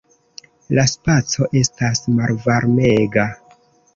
La Spaco estas malvarmega.